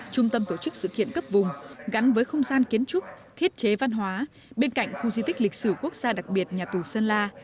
trung tâm tổ chức sự kiện cấp vùng gắn với không gian kiến trúc thiết chế văn hóa bên cạnh khu di tích lịch sử quốc gia đặc biệt nhà tù sơn la